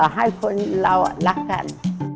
ให้คนเรารักกัน